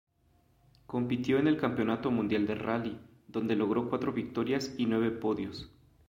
Compitió en el Campeonato Mundial de Rally, donde logró cuatro victorias y nueve podios.